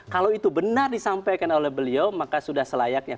kalau itu benar disampaikan oleh beliau maka sudah selayaknya